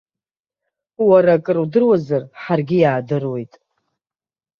Уара акрудыруазар ҳаргьы иаадыруеит!